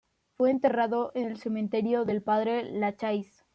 Fue enterrado en el cementerio del Padre-Lachaise.